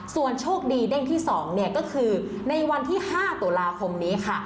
ส่วนโชคดีเด้งที่๒ก็คือในวันที่๕ตุลาคมนี้ค่ะ